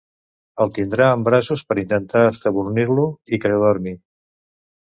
El tindrà en braços per intentar estabornir-lo i que dormi.